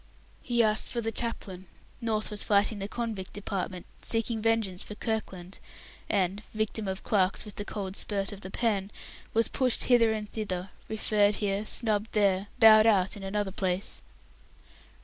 He asked for the chaplain. North was fighting the Convict Department, seeking vengeance for Kirkland, and (victim of "clerks with the cold spurt of the pen") was pushed hither and thither, referred here, snubbed there, bowed out in another place.